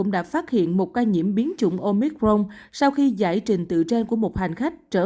đã phát hiện một ca nhiễm biến chủng omicron sau khi giải trình tự trang của một hành khách trở